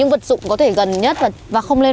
bác tài ơi